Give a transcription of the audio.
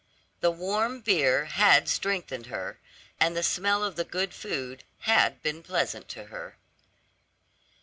The warm beer had strengthened her, and the smell of the good food had been pleasant to her.